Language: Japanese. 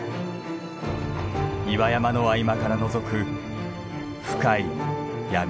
岩山の合間からのぞく深い闇。